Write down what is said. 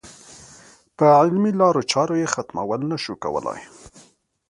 په علمي لارو چارو یې ختمول نه شوای کولای.